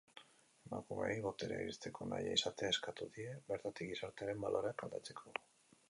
Emakumeei boterera iristeko nahia izatea eskatu die, bertatik gizartearen baloreak aldatzeko.